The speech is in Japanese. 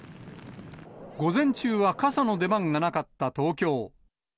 午前中は傘の出番がなかった東京。